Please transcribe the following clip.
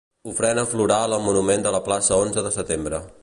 Ofrena floral al monument de la plaça onze de setembre.